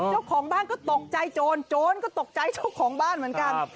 เจ้าของบ้านก็ตกใจโจรโจรก็ตกใจเจ้าของบ้านเหมือนกัน